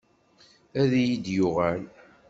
Ad iyi-d-yuɣal.